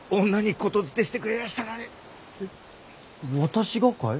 私がかい？